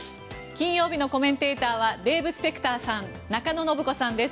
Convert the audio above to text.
金曜日のコメンテーターはデーブ・スペクターさん中野信子さんです。